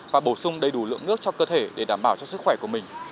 và bổ sung đầy đủ lượng nước cho cơ thể để đảm bảo cho sức khỏe của mình